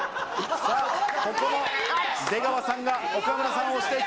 ここも出川さんが岡村さんを押していく。